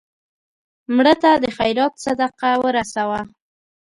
مړه ته د خیرات صدقه ورسوه